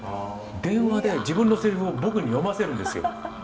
電話で自分のセリフを僕に読ませるんですよ。